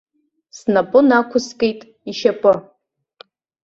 Снапы нақәыскит ишьапы.